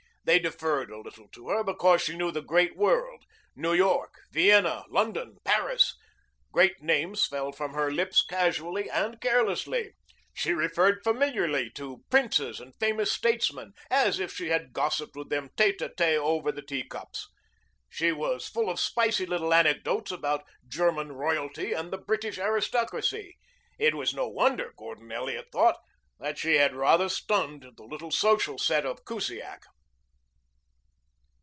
They deferred a little to her because she knew the great world New York, Vienna, London, Paris. Great names fell from her lips casually and carelessly. She referred familiarly to princes and famous statesmen, as if she had gossiped with them tête à tête over the teacups. She was full of spicy little anecdotes about German royalty and the British aristocracy. It was no wonder, Gordon Elliot thought, that she had rather stunned the little social set of Kusiak.